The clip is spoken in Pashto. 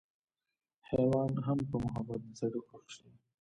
حېوان هم پۀ محبت د سړي خپل شي